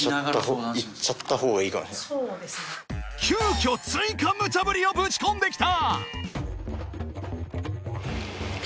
［急きょ追加ムチャぶりをぶち込んできた］